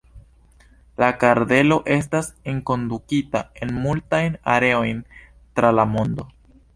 La kardelo estas enkondukita en multajn areojn tra la mondo.